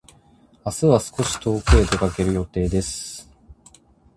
明日は少し遠くへ出かける予定です。